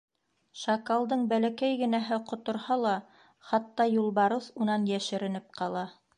Шакалдың бәләкәй генәһе ҡоторһа ла, хатта юлбарыҫ унан йәшеренеп ҡала.